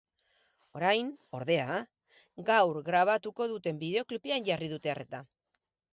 Orain, ordea, gaur grabatuko duten bideoklipean jarri dute arreta.